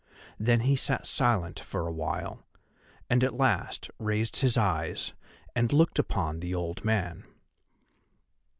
Then he sat silent for a while, and at last raised his eyes and looked upon the old man.